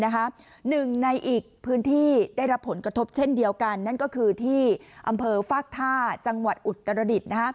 หนึ่งในอีกพื้นที่ได้รับผลกระทบเช่นเดียวกันนั่นก็คือที่อำเภอฟากท่าจังหวัดอุตรดิษฐ์